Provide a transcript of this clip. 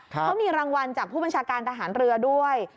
เขามีรางวัลจากผู้บัญชาการทหารเรือด้วย